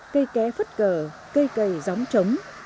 cây ké phất cờ cây cầy gióng trống